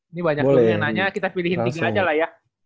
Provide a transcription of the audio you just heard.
ini banyak loh yang nanya kita pilihin tiga aja lah ya